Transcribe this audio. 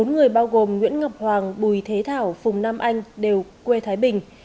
bốn người bao gồm nguyễn ngọc hoàng bùi thế thảo phùng nam anh đều quê thái bình